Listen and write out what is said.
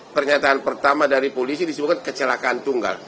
pernyataan pertama dari polisi disebutkan kecelakaan tunggal